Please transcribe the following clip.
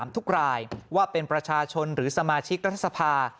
ทุกรายว่าเป็นประชาชนหรือสมาชิกรัฐสภา